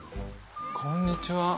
こんにちは。